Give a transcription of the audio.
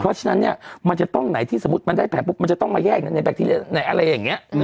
เพราะฉะนั้นเนี่ยมันจะต้องไหนที่สมมุติมันได้แผนปุ๊บมันจะต้องมาแยกในแบคทีเรียไหนอะไรอย่างนี้